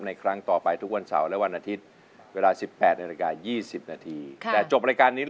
ในครั้งต่อไปทุกวันเสาร์และวันอาทิตย์เวลาสิบแปดในรายการยี่สิบนาทีค่ะแต่จบรายการนี้